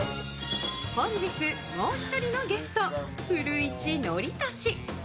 本日もう１人のゲスト、古市憲寿。